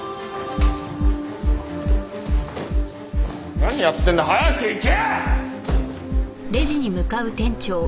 何やってんだ早く行け！